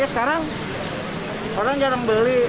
sekarang orang jarang beli